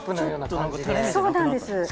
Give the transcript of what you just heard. そうなんです。